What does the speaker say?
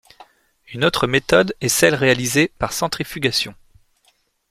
Une autre méthode est celle réalisée par centrifugation.